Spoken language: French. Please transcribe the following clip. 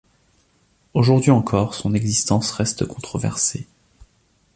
Aujourd'hui encore, son existence reste controversée.